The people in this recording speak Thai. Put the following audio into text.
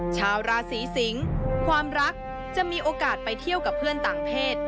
ชาวราศีสิงศ์ความรักจะมีโอกาสไปเที่ยวกับเพื่อนต่างเพศ